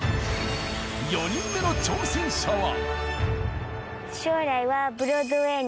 ４人目の挑戦者は。